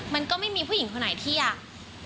มันก็ไม่มีผู้หญิงคนไหนที่อยาก